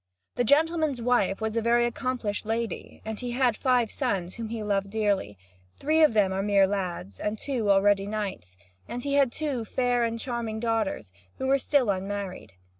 The gentleman's wife was a very accomplished lady; and he had five sons, whom he dearly loved, three of them mere lads, and two already knights; and he had two fair and charming daughters, who were still unmarried.